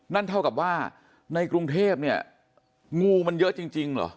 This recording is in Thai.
นั่นเท่ากับว่าในกรุงเทพเนี่ยงูมันเยอะจริงเหรอ